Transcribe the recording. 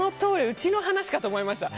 うちの話かと思いました。